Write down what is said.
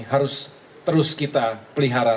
harus terus kita pelihara